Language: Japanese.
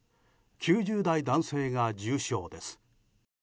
９０代男性が重症です。